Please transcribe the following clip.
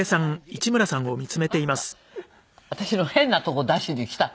私の変なとこ出しに来たの？